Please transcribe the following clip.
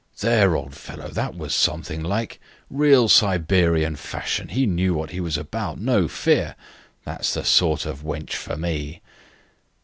"There, old fellow, that was something like! Real Siberian fashion! He knew what he was about, no fear! That's the sort of wench for me."